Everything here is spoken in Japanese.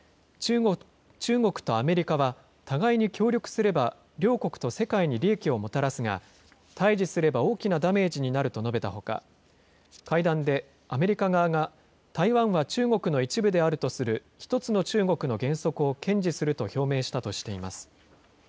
中国とアメリカは互いに協力すれば両国と世界に利益をもたらすが、対じすれば大きなダメージになると述べたほか、会談でアメリカ側が台湾は中国の一部であるとする１つの中国の原則を堅持すると表明したとしています。